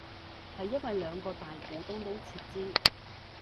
係因為兩個大股東都撤資